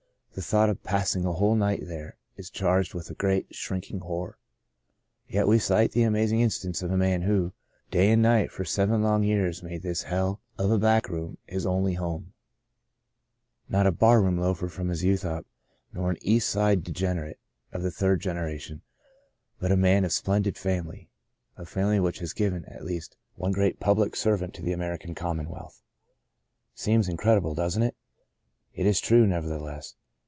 The thought of passing a whole night there is charged with a great, shrink ing horror. Yet we cite the amazing in stance of a man, who, day and night for seven long years, made this hell of a back room his only home I Not a barroom loafer from his youth up, nor an East Side degen erate of the third generation, but a man of splendid family, — a family which has given, at least, one great public servant to the 46 De Profundis American commonwealth. Seems incredible, doesn't it ? It is true, nevertheless.